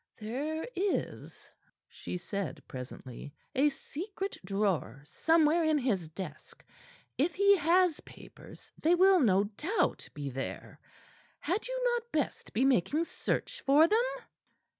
"There is," she said presently, "a secret drawer somewhere in his desk. If he has papers they will, no doubt, be there. Had you not best be making search for them?"